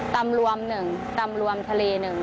ตำรวมหนึ่งตำรวมทะเลหนึ่ง